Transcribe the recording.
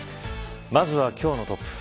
まずは今日のトップ。